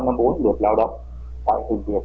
ngân hàng vẫn tiếp tục đặt mặt công tác tương truyền